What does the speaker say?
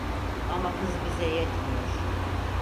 Ama hız bize yetmiyor